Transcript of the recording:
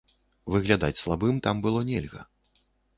Выглядаць слабым там было нельга.